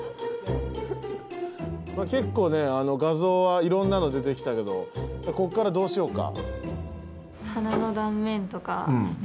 結構ね画像はいろんなの出てきたけどこっからどうしようか？